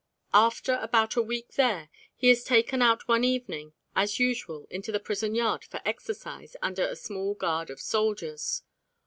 After about a week there, he is taken out one evening, as usual, into the prison yard for exercise under a small guard of soldiers.